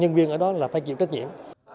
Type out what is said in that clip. nhân viên ở đó là phải chịu trách nhiệm